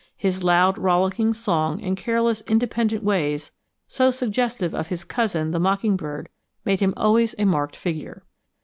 His loud rollicking song and careless independent ways, so suggestive of his cousin, the mockingbird, made him always a marked figure.